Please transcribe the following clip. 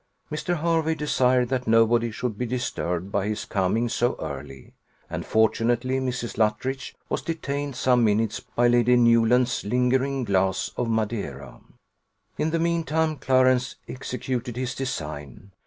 Mr. Hervey desired that nobody should be disturbed by his coming so early; and, fortunately, Mrs. Luttridge was detained some minutes by Lady Newland's lingering glass of Madeira. In the mean time, Clarence executed his design.